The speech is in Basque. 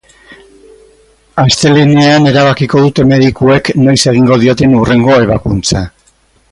Astelehenean erabakiko dute medikuek noiz egingo dioten hurrengo ebakuntza.